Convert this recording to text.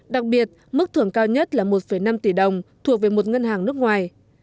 đặc biệt mức thưởng cao nhất là một năm tỷ đồng thuộc về một ngân hàng nước ngoài